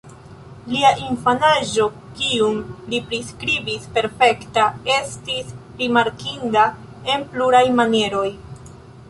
Lia infanaĝo, kiun li priskribis "perfekta", estis rimarkinda en pluraj manieroj.